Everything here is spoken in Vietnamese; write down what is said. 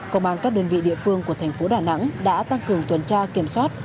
công an các đơn vị địa phương của thành phố đà nẵng đã tăng cường tuần tra kiểm soát